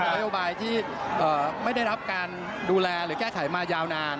นโยบายที่ไม่ได้รับการดูแลหรือแก้ไขมายาวนาน